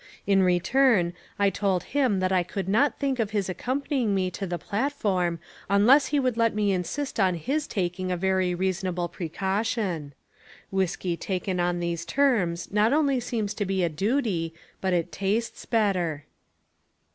In return I told him that I could not think of his accompanying me to the platform unless he would let me insist on his taking a very reasonable precaution. Whiskey taken on these terms not only seems like a duty but it tastes better.